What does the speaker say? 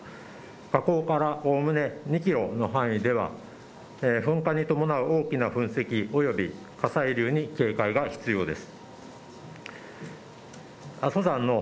火口からおおむね２キロの範囲では噴火に伴う大きな噴石および火砕流に警戒が必要です。